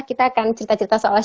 kita akan cerita cerita soal